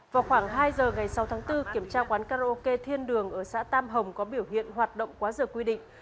vào khoảng hai giờ ngày sáu tháng bốn kiểm tra quán karaoke thiên đường ở xã tam hồng có biểu hiện hoạt động quá giờ quy định